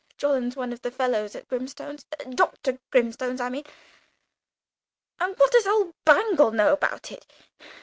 (Jolland's one of the fellows at Grimstone's Dr. Grimstone's I mean.) And what does old Bangle know about it?